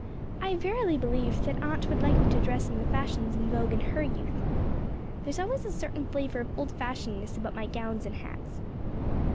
I verily believe that Aunt would like me to dress in the fashions in vogue in her youth. There is always a certain flavour of old fashionedness about my gowns and hats.